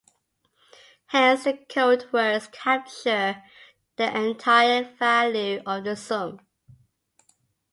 Hence the codewords capture the entire value of the sum.